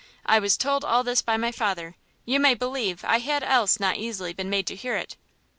I was told all this by my father; you may believe I had else not easily been made hear it!"